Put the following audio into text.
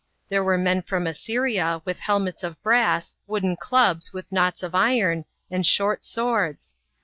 There were men from Assyria with helmets of brass, wooden clubs with knots of iron, and short swords.